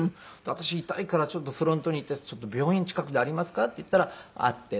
私痛いからちょっとフロントに行って「病院近くでありますか？」って言ったらあって。